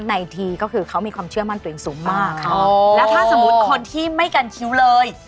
ในทีก็คือเขามีความเชื่อมั่นตัวเองสูงมากค่ะแล้วถ้าสมมุติคนที่ไม่กันคิ้วเลย